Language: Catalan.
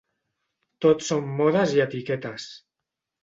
Tot són modes i etiquetes.